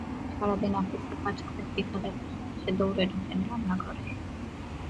সারা দিন অফিসে কাজ করে বিকেলে বাসায় এসে দৌড়ে ঢোকেন রান্না ঘরে।